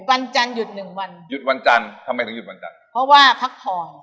วันจันทร์หยุดหนึ่งวันหยุดวันจันทร์ทำไมถึงหยุดวันจันทร์เพราะว่าพักพอ